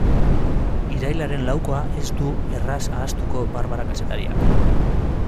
Irailaren laukoa ez du erraz ahaztuko Barbara kazetariak.